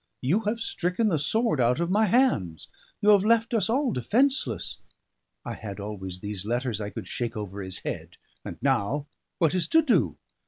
You have stricken the sword out of my hands; you have left us all defenceless. I had always these letters I could shake over his head; and now what is to do?